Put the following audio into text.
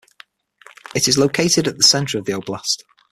It is located in the center of the oblast.